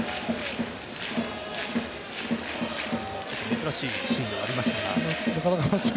珍しいシーンではありましたが。